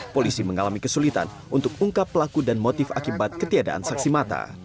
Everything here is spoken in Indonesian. polisi mengalami kesulitan untuk ungkap pelaku dan motif akibat ketiadaan saksi mata